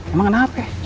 emang kenapa ya